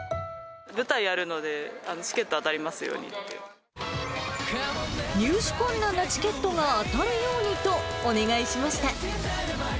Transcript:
舞台あるので、チケット当た入手困難なチケットが当たるようにと、お願いしました。